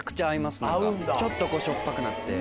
ちょっとしょっぱくなって。